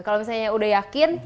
kalau misalnya udah yakin